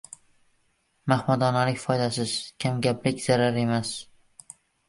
• Mahmadonalik ― foydasiz, kamgaplik ― zarar emas.